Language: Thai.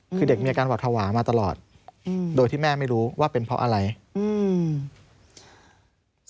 คือเด็กมีอาการหวัดภาวะมาตลอดอืมโดยที่แม่ไม่รู้ว่าเป็นเพราะอะไรอืม